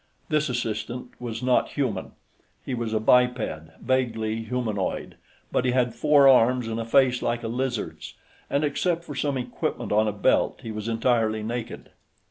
This assistant was not human. He was a biped, vaguely humanoid, but he had four arms and a face like a lizard's, and, except for some equipment on a belt, he was entirely naked.